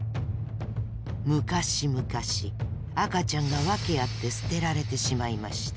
昔々赤ちゃんが訳あって捨てられてしまいました。